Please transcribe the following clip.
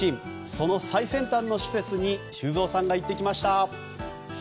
その最先端の施設に修造さんが行ってきました。